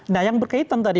nah yang berkaitan tadi